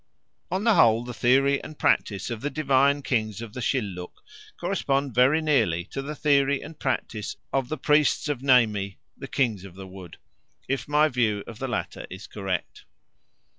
On the whole the theory and practice of the divine kings of the Shilluk correspond very nearly to the theory and practice of the priests of Nemi, the Kings of the Wood, if my view of the latter is correct.